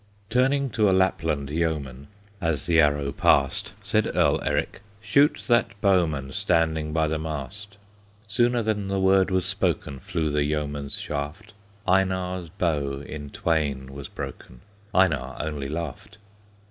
Turning to a Lapland yeoman, As the arrow passed, Said Earl Eric, "Shoot that bowman Standing by the mast." Sooner than the word was spoken Flew the yeoman's shaft; Einar's bow in twain was broken, Einar only laughed.